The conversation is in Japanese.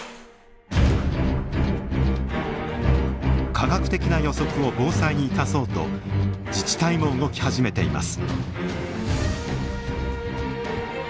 科学的な予測を防災に生かそうと自治体も動き始めています。